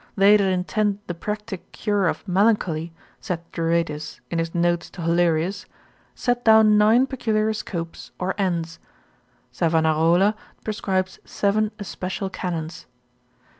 They that intend the practic cure of melancholy, saith Duretus in his notes to Hollerius, set down nine peculiar scopes or ends; Savanarola prescribes seven especial canons.